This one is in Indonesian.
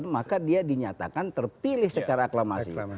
maka dia dinyatakan terpilih secara aklamasi